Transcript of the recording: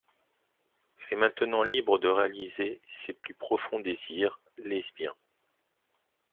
Elle est maintenant libre de réaliser ses plus profonds désirs lesbiens.